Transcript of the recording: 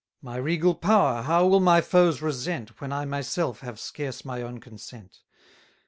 My regal power how will my foes resent, When I myself have scarce my own consent!